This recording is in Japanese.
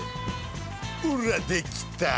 おらできた。